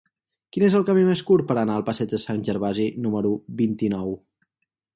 Quin és el camí més curt per anar al passeig de Sant Gervasi número vint-i-nou?